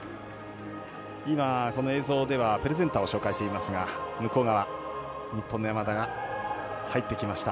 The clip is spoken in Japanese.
今、映像ではプレゼンターを紹介していましたが日本の山田が入ってきました。